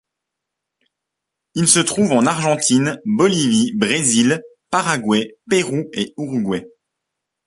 Il se trouve en Argentine, Bolivie, Brésil, Paraguay, Pérou et Uruguay.